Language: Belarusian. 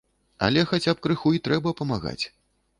Але хаця б крыху і трэба памагаць.